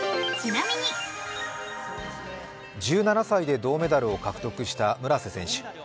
１７歳で銅メダルを獲得した村瀬選手。